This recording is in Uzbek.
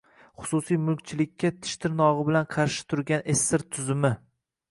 Xususiy mulkchilikka tish-tirnog‘i bilan qarshi turgan Sssr tuzumi